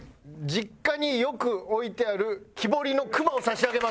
実家によく置いてある木彫りの熊を差し上げます。